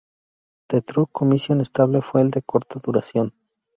The Truth Commission estable fue de corta duración;.